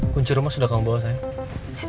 kunci rumah sudah kamu bawa saya